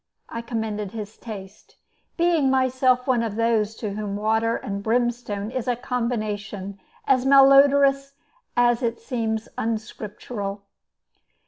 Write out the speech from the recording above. I commended his taste, being myself one of those to whom water and brimstone is a combination as malodorous as it seems unscriptural.